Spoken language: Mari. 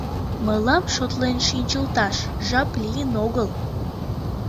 Мылам шотлен шинчылташ жап лийын огыл.